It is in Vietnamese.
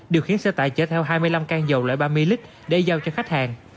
điều khiến xe tải chở theo hai mươi năm can dầu loại ba mươi lít để giao cho khách hàng